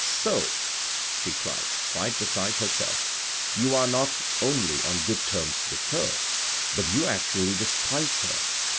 " So," she cried, quite beside herself, " you are not only on good terms with her, but you actually despise her.